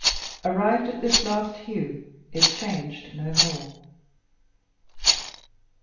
Arrived at this last hue, it changed no more.